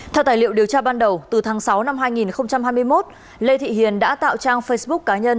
theo tài liệu điều tra ban đầu từ tháng sáu năm hai nghìn hai mươi một lê thị hiền đã tạo trang facebook cá nhân